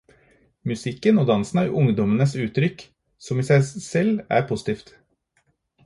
Musikken og dansen er ungdommenes uttrykk, som i seg sjøl er positivt.